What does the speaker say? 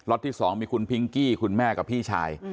ที่๒มีคุณพิงกี้คุณแม่กับพี่ชาย